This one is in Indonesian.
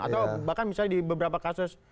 atau bahkan misalnya di beberapa kasus